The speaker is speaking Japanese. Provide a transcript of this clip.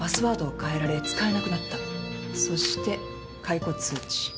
そして解雇通知。